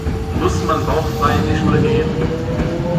Muss man bauchfrei in die Schule gehen?